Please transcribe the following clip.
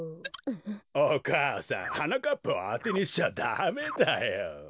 お母さんはなかっぱをあてにしちゃダメだよ。